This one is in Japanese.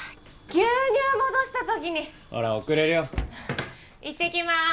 牛乳戻した時にほら遅れるよいってきます